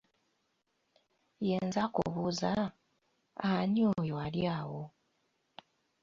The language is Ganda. Ye nze akubuuza, ani oyo ali awo?